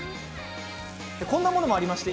こんなものもあります。